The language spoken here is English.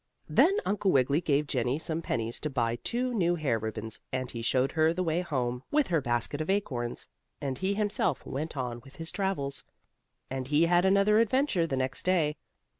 Then Uncle Wiggily gave Jennie some pennies to buy two new hair ribbons, and he showed her the way home with her basket of acorns, and he himself went on with his travels. And he had another adventure the next day.